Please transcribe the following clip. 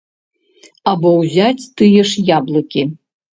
Або ўзяць тыя ж яблыкі.